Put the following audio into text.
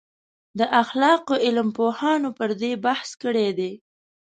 د اخلاقو علم پوهانو پر دې بحث کړی دی.